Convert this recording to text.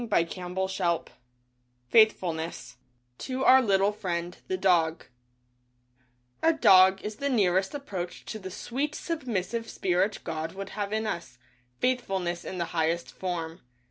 DAY DREAMS FAITHFULNESS (To Our Little Friend — The Dog) A dog is the nearest approach to the sweet sub missive spirit God would have in us, Faithfulness in the highest form.